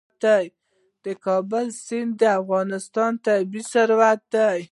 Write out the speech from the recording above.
د کابل سیند د افغانستان طبعي ثروت دی.